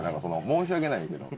申し訳ないんやけど。